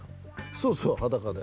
そうそう裸で。